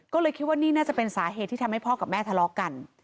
ก็เลยคิดว่านี่น่าจะเป็นสาเหตุที่ทำให้พ่อกับแม่ทะเลาะกัน